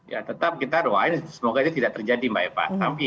ya tetap kita doain semoga itu tidak terjadi mbak eva